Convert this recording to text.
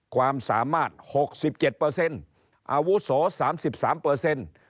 ความสามารถ๖๗อาวุศาสตร์๓๓